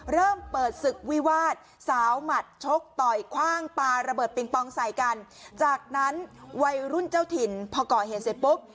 เริ่มเปิดศึกวิวาสสาวหมัดชกต่อยคว่างปลาระเบิดปิงปองใส่กันจากนั้นวัยรุ่นเจ้าถิ่นพอก่อเหตุเสร็จปุ๊บ